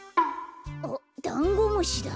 おっダンゴムシだ。